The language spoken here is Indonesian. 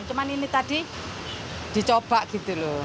cuma ini tadi dicoba gitu loh